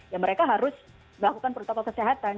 ya mereka harus melakukan protokol kesehatan